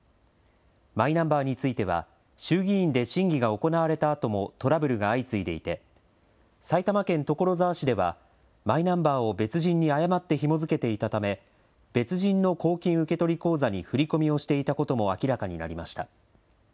マイナンバーについては、衆議院で審議が行われたあともトラブルが相次いでいて、埼玉県所沢市では、マイナンバーを別人に誤ってひも付けていたため、別人の公金受取口座に振り込みをしていたことも明らかになりました。